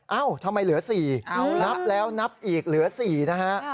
เอ้าทำไมเหลือ๔นับแล้วนับอีกเหลือ๔นะฮะ